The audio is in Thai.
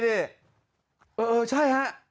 เออใช่ครับ